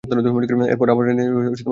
এর পর আর রাজনীতিতে সক্রিয় ছিলেন না।